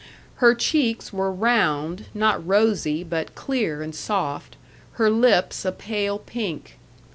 Her cheeks were round, not rosy, but clear and soft; her lips a pale pink.